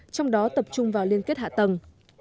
trong đó tập trung vào liên kết hạ tầng